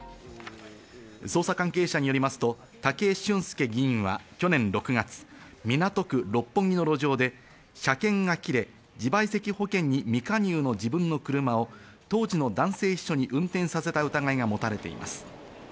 捜査関係者によりますと、武井俊輔議員は去年６月、港区六本木の路上で車検が切れ、自賠責保険に未加入の自分の車を当時の男性秘書に運転させた疑いがもたれています。